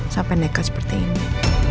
sampai nekat seperti ini